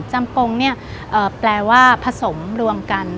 จำปงเนี่ยแปลว่าผสมรวมกัน